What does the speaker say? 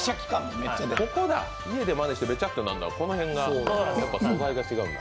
家でまねするとべちゃっとなるのは素材が違うんだ。